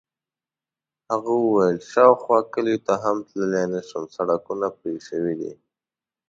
هغه وویل: شاوخوا کلیو ته هم تللی نه شم، سړکونه پرې شوي دي.